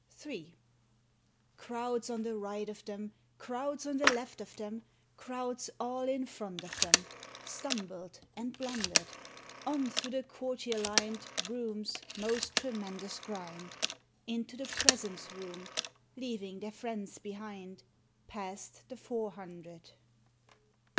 HI. Crowds on the right of them. Crowds on the left of them, Crowds all in front of them. Stumbled and blundered : On through the courtier lined Rooms — most tremendous grind — Into the Presence Room, Leaving their friends behind. Passed the Four Hundred.